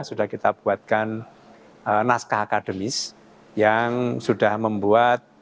sudah kita buatkan naskah akademis yang sudah membuat